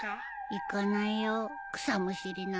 行かないよ草むしりなんて。